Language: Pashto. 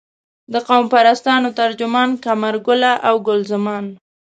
د قوم پرستانو ترجمان قمرګله او ګل زمان.